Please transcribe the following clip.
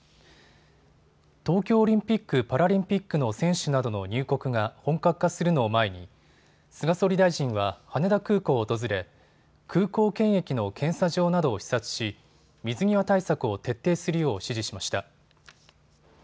東京オリンピック・パラリンピックの選手などの入国が本格化するのを前に菅総理大臣は羽田空港を訪れ空港検疫の検査場などを視察し水際対策を徹底するよう指示しました。